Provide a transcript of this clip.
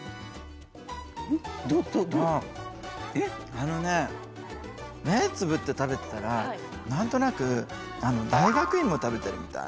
あのねえ目つぶって食べてたら何となく大学芋食べてるみたい。